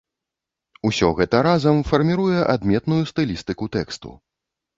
Усё гэта разам фарміруе адметную стылістыку тэксту.